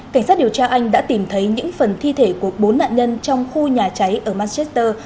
cảnh sát điều tra anh đã tìm thấy những phần thi thể của bốn nạn nhân trong khu nhà cháy ở macedesor